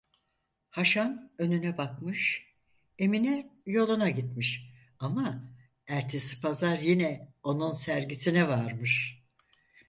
Haşan önüne bakmış, Emine yoluna gitmiş, ama ertesi pazar yine onun sergisine varmış: